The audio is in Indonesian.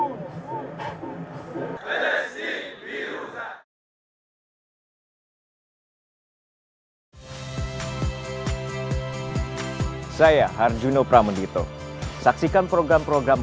masya allah kudar zin jamanah